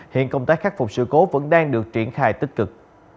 hiện công tác khắc phục sự cố vẫn đang được triển khai tích cực